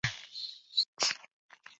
克劳德在田纳西乡下长大。